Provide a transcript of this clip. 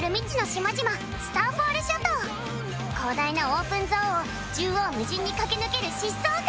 広大なオープンゾーンを縦横無尽に駆け抜ける疾走感！